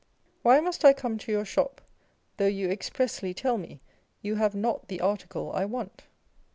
Why must I come to your shop, though you expressly tell me you have not the article I want